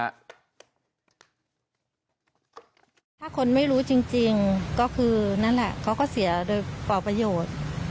ถ้าคนไม่รู้จริงก็คือนั่นแหละเขาก็เสียโดยเปล่าประโยชน์